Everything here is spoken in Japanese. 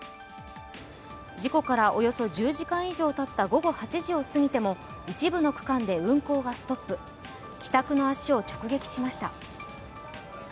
事故からおよそ１０時間以上たった午後８時を過ぎても一部の区間で運行がストップ、帰宅の足を直撃しました。